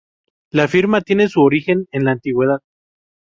La firma tiene su origen en la antigüedad.